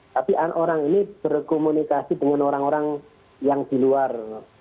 tapi orang ini berkomunikasi dengan orang orang yang di luar